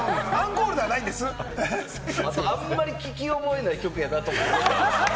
あんまり聞き覚えない曲やなと思って。